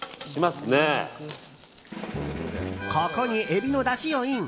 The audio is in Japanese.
ここにエビのだしをイン。